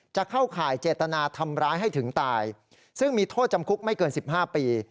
จะเข้าข่ายเจตนาทำร้ายให้ถึงตายซึ่งมีโทษจำคุกไม่เกิน๑๕ปี